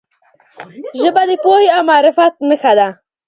ژبه د پوهې او معرفت نښه ده.